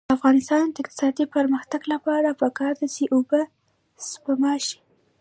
د افغانستان د اقتصادي پرمختګ لپاره پکار ده چې اوبه سپما شي.